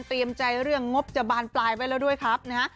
ใจเรื่องงบจะบานปลายไปแล้วด้วยครับนะฮะ